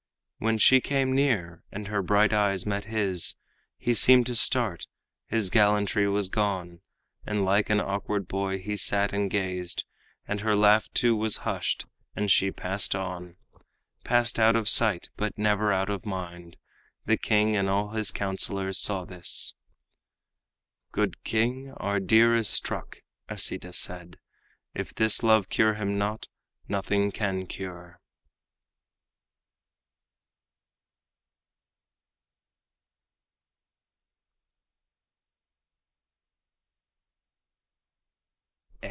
When she came near, and her bright eyes met his, He seemed to start; his gallantry was gone, And like an awkward boy he sat and gazed; And her laugh too was hushed, and she passed on, Passed out of sight but never out of mind, The king and all his counselors saw this. "Good king, our deer is struck," Asita said, "If this love cure him not, nothing can cure."